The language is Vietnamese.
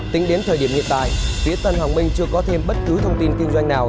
tính đến thời điểm hiện tại phía tân hoàng minh chưa có thêm bất cứ thông tin kinh doanh nào